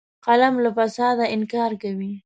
قلم له فساده انکار کوي